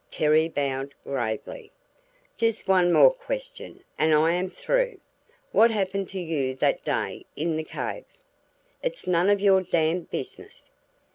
Terry bowed gravely. "Just one more question, and I am through. What happened to you that day in the cave?" "It's none of your damned business!"